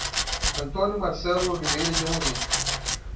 Antônio Marcelo Oliveira de Amorim